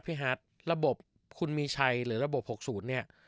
พี่ฮัทระบบคุณมีชัยหรือระบบหกศูนย์เนี่ย